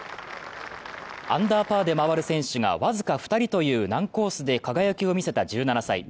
アンダーパーで回る選手が僅か２人という難コースで輝きを見せた１７歳。